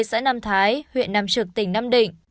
xã nam thái huyện nam trực tỉnh nam định